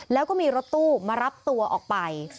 แล้วก็มีรถตู้มารับตัวออกไป